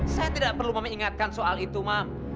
saya tidak perlu mami ingatkan soal itu mam